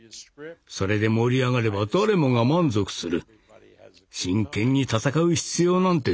それで盛り上がれば誰もが満足する」。